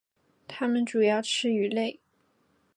它们主要吃鱼类。